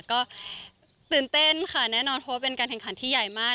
ก็ตื่นเต้นค่ะแน่นอนเพราะว่าเป็นการแข่งขันที่ใหญ่มาก